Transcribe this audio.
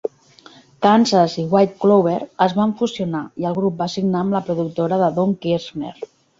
Kansas i White Clover es van fusionar i el grup va signar amb la productora de Don Kirshner.